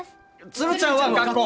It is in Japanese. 鶴ちゃんは学校！